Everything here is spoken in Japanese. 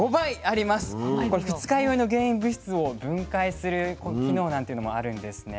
これ「二日酔いの原因物質を分解」する機能なんていうのもあるんですね。